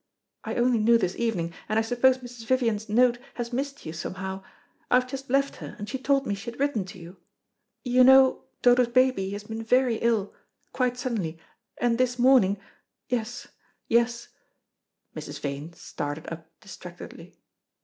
I only knew this evening, and I suppose Mrs. Vivian's note has missed you somehow. I have just left her, and she told me she had written to you. You know Dodo's baby has been very ill, quite suddenly, and this morning yes, yes " Mrs. Vane started up distractedly.